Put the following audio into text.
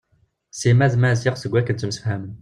Sima d Maziɣ seg wakken ttemsefhamen.